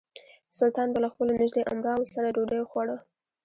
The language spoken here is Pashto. سلطان به له خپلو نژدې امراوو سره ډوډۍ خوړه.